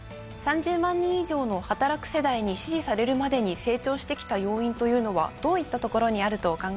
３０万人以上の働く世代に支持されるまでに成長してきた要因というのはどういったところにあるとお考えですか？